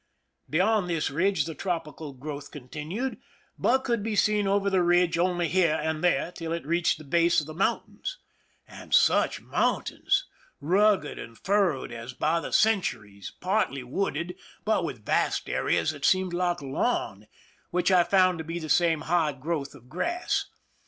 Be yond this ridge the tropical growth continued, but could be seen over the ridge only here and there till it reached the base of the mountains. And such 253 THE SINKING OF THE "MEREIMAC" mountains! rugged and furrowed as by the cen turies, partly wooded, but with vast areas that seemed like lawn, which I found to be the same high growth of grass.